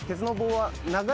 はい。